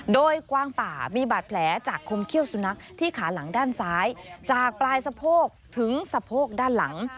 โดยกวางป่ามีบาดแผลจากคมเขี้ยวสุนัขที่ขาหลังด้านซ้ายจากปลายสะโพกถึงสะโพกด้านหลัง